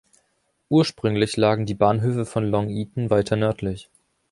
Ursprünglich lagen die Bahnhöfe von Long Eaton weiter nördlich.